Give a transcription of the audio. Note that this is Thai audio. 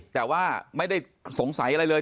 แต่ว่าไม่ได้สงสัยอะไรเลย